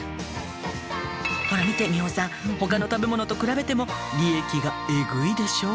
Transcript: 「ほら見て美穂さん他の食べ物と比べても利益がエグいでしょ？」